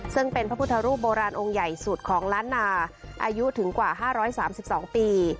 ซึ่งเป็นพระพุทธรูปโบราณองค์ใหญ่สุดของล้านนาอายุถึงกว่าห้าร้อยสามสิบสองปี